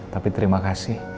tapi terima kasih